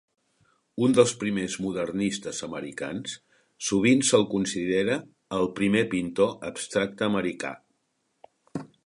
Un dels primers modernistes americans, sovint se'l considera el primer pintor abstracte americà.